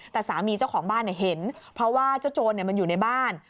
แต่สามีเจ้าของบ้านเห็นเพราะว่าเจ้าโจรมันอยู่ในบ้าน